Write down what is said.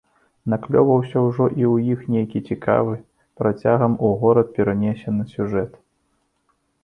Наклёўваўся ўжо і ў іх нейкі цікавы, працягам у горад перанесены сюжэт.